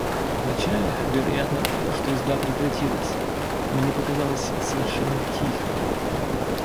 Вначале, вероятно, оттого, что езда прекратилась, мне показалось, совершенно тихо.